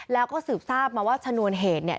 แล้วก็สืบทราบมาว่าชนวนเหตุเนี่ย